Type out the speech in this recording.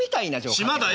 島だよ！